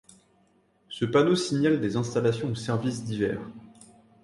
Ce panneau signale des installations ou services divers.